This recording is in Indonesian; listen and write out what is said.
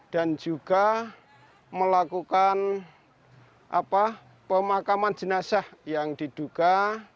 dan juga melakukan pemakaman jenazah yang diduga